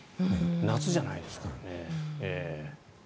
夏じゃないですからね。